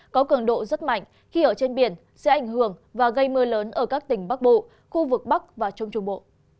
có cường độ rất mạnh khi ở trên biển sẽ ảnh hưởng và gây mưa lớn ở các tỉnh bắc bộ khu vực bắc và trung trung bộ